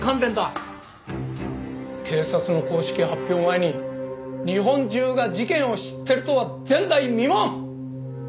警察の公式発表前に日本中が事件を知ってるとは前代未聞！